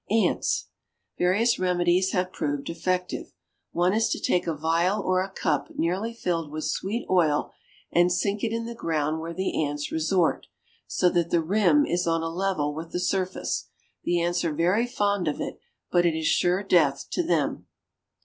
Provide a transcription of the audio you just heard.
ANTS. Various remedies have proved effective. One is to take a vial or a cup nearly filled with sweet oil, and sink it in the ground where the ants resort, so that the rim is on a level with the surface. The ants are very fond of it, but it is sure death to them.